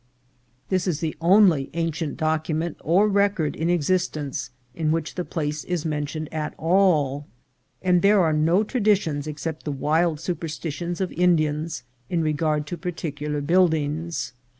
This is the only 414 INCIDENTS OF TRAVEL. ancient document or record in existence in which the place is mentioned at all, and there are no traditions except the wild superstitions of Indians in regard to particular buildings.